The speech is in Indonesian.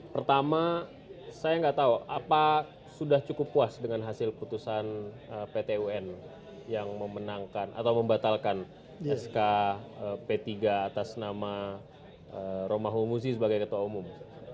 pertama saya nggak tahu apa sudah cukup puas dengan hasil putusan pt un yang memenangkan atau membatalkan sk p tiga atas nama romahum muzi sebagai ketua umum